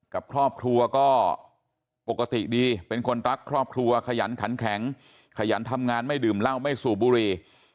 กับครอบครัวก็ปกติดีเป็นคนรักครอบครัวขยันขันแข็งขยันทำงานไม่ดื่มเหล้าไม่สูบบุรี